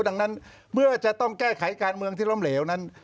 ดังนั้นเมื่อจะต้องแก้ไขการเมืองที่ล้มเหลวนั้น